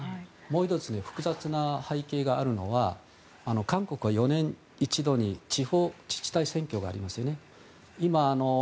もう１つ複雑な背景があるのは韓国は４年に一度地方自治体選挙がありますね。